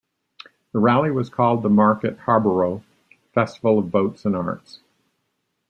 The rally was called the Market Harborough Festival of Boats and Arts.